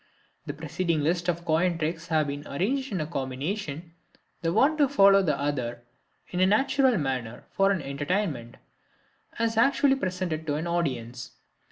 The preceding list of coin tricks has been arranged in combination, the one to follow the other in a natural manner, for an entertainment, as actually presented to an audience.